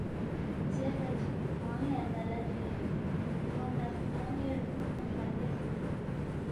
زیربا چِک موان٘ی عدالت بیاس، ’گوانہ کِھدان٘ی ردُونگ ردُونگ مہ بیوس